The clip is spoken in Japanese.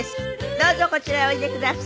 どうぞこちらへおいでください。